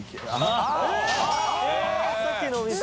△舛叩さっきのお店。